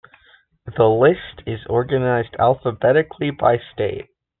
The list is organized alphabetically by state.